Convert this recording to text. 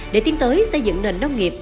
để tiến tới xây dựng nền nông nghiệp